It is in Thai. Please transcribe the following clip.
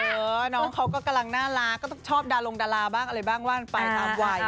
น้องเขาก็กำลังน่ารักก็ต้องชอบดารงดาราบ้างอะไรบ้างว่ากันไปตามวัย